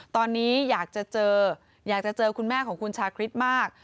ตอนนี้อยากจะเจออยากจะเจอคุณแม่ของคุณชาคริสต์มาก